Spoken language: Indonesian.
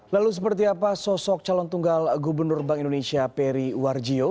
lalu seperti apa sosok calon tunggal gubernur bank indonesia peri warjio